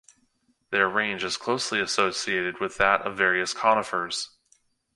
Their range is closely associated with that of various conifers.